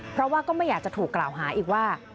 เพราะว่าก็ไม่อยากจะถูกกล่าวหาอีกว่า